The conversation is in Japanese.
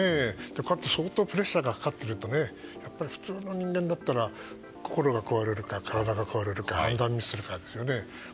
こうして相当プレッシャーがかかってくると普通の人間だったら心が壊れるか体が壊れるかですよね。